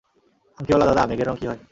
আংটিওলা দাদা, মেঘের রঙ কী হয়?